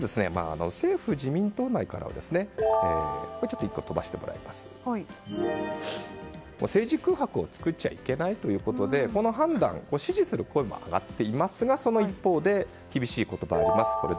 政府・自民党内からは政治空白を作っちゃいけないということでこの判断を支持する声も上がっていますがその一方で厳しい言葉があります。